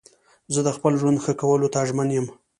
زه د خپل ژوند ښه کولو ته ژمن یم.